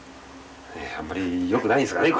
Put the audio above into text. ええあんまりよくないんですかね